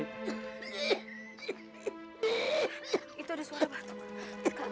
itu ada suara batuk